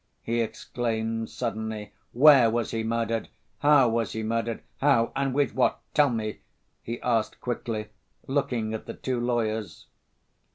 he exclaimed suddenly. "Where was he murdered? How was he murdered? How, and with what? Tell me," he asked quickly, looking at the two lawyers.